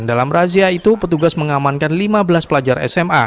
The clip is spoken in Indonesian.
dalam razia itu petugas mengamankan lima belas pelajar sma